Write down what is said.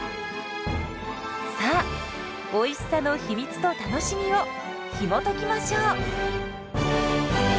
さあおいしさの秘密と楽しみをひもときましょう！